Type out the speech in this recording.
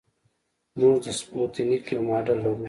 موږ د سپوتنیک یو ماډل لرو